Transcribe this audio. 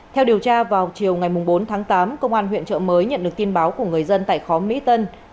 theo điều tra vào chiều ngày bốn tháng tám công an huyện trợ mới nhận được tin báo của người dân tại khóm mỹ tân